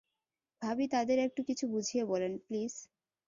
ভাবি তাদের একটু কিছু বুঝিয়ে বলেন, প্লিজ।